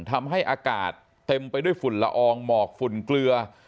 ทำให้อากาศเต็มไปด้วยฝุ่นละอองหมอกฝุ่นเกลือ